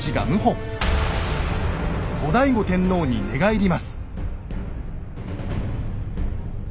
後醍醐天皇に寝返ります。